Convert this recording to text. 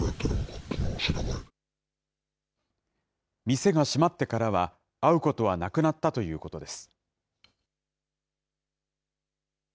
店が閉まってからは、会うことはなくなったということです。